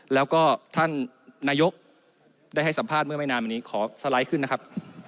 แล้วก็ท่านนายกได้ให้สัมภาษณ์เมื่อไม่นานมานี้ขอสไลด์ขึ้นนะครับ